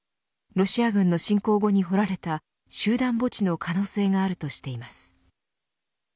ロシア軍の侵攻後に掘られた集団墓地の可能性があるとしています。